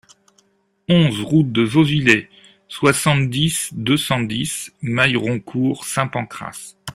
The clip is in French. onze route de Vauvillers, soixante-dix, deux cent dix, Mailleroncourt-Saint-Pancras